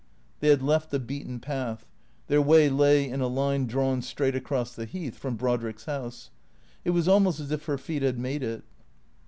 They had left the beaten path. Their way lay in a line drawn straight across the Heath from Brodrick's house. It was almost as if her feet had made it.